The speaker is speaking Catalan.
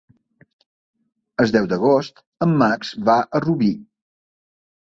El deu d'agost en Max va a Rubí.